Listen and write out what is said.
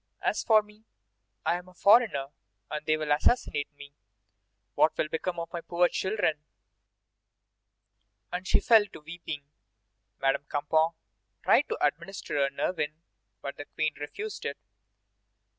As for me, I am a foreigner, and they will assassinate me. What will become of my poor children?" And she fell to weeping. Madame Campan tried to administer a nervine, but the Queen refused it.